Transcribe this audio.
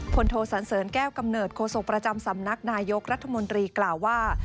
โทสันเสริญแก้วกำเนิดโศกประจำสำนักนายกรัฐมนตรีกล่าวว่า